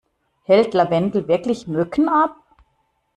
Hält Lavendel wirklich Mücken ab?